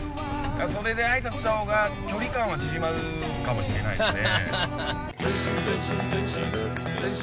それであいさつしたほうが距離感は縮まるかもしれないですね。